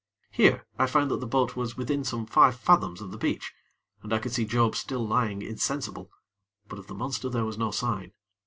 Here, I found that the boat was within some five fathoms of the beach, and I could see Job still lying insensible; but of the monster there was no sign.